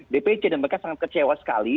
dpc dan mereka sangat kecewa sekali